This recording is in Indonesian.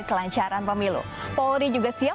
kelancaran pemilu polri juga siap